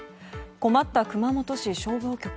困った熊本市消防局。